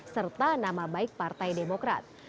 serta nama baik partai demokrat